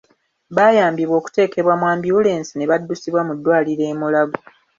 Baayambibwa okuteekebwa mu ambyulensi ne baddusibwa mu ddwaliro e Mulago.